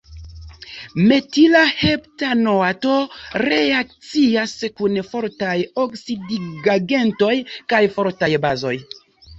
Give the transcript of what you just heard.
Metila heptanoato reakcias kun fortaj oksidigagentoj kaj fortaj bazoj.